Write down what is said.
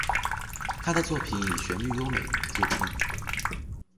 他的作品以旋律优美着称。